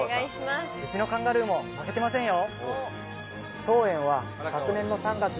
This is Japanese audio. ウチのカンガルーも負けてませんよ